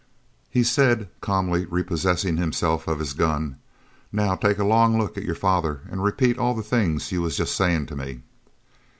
He said, calmly repossessing himself of his gun, "Now take a long look at your father an' repeat all the things you was just saying' to me."